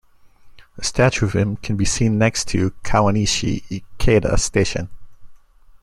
A statue of him can be seen next to Kawanishi-Ikeda Station.